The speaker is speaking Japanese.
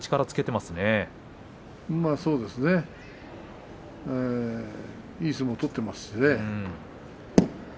いい相撲を取っていますしね。